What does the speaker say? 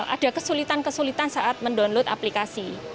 ada kesulitan kesulitan saat mendownload aplikasi